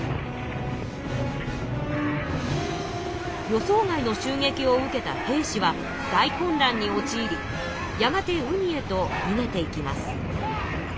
予想外のしゅうげきを受けた平氏は大混乱におちいりやがて海へとにげていきます。